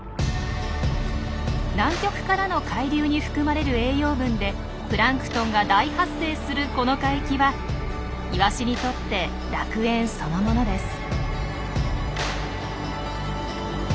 南極からの海流に含まれる栄養分でプランクトンが大発生するこの海域はイワシにとって楽園そのものです。